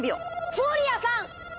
フォリアさん！